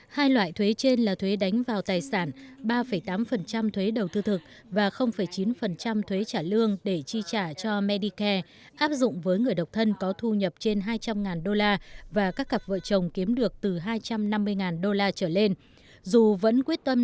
hai loại thuế trên là thuế đánh vào tài sản ba tám thuế đầu thư thực và chín thuế trả lương để chi trả cho medicare áp dụng với người độc thân có thu nhập trên tài sản